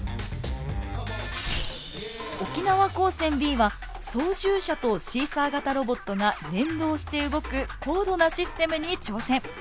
沖縄高専Ｂは操縦者とシーサー型ロボットが連動して動く高度なシステムに挑戦。